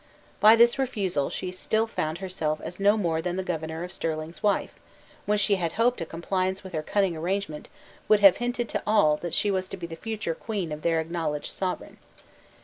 By this refusal she still found herself as no more than the Governor of Stirling's wife, when she had hoped a compliance with her cunning arrangement would have hinted to all that she was to be the future queen of their acknowledged sovereign.